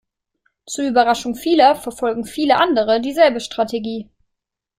Zur Überraschung vieler verfolgen viele andere dieselbe Strategie.